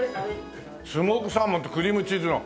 スモークサーモンとクリームチーズの。